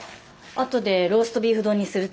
後でローストビーフ丼にするとか。